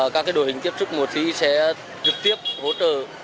các đội hình tiếp xúc mùa thi sẽ trực tiếp hỗ trợ